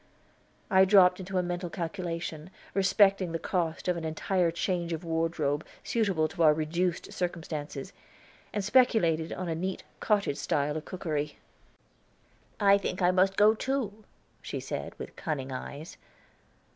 I dropped into a mental calculation, respecting the cost of an entire change of wardrobe suitable to our reduced circumstances, and speculated on a neat cottage style of cookery. "I think I must go, too," she said with cunning eyes.